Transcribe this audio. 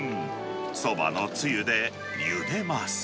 そばのつゆでゆでます。